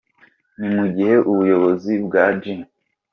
Ni mu gihe ubuyobozi bwa G.